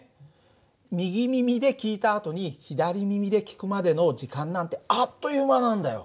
右耳で聞いたあとに左耳で聞くまでの時間なんてあっという間なんだよ。